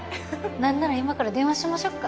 何なら今から電話しましょうか？